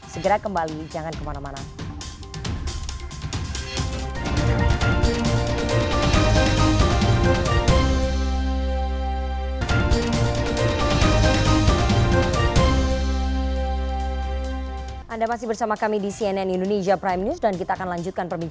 segera kembali jangan kemana mana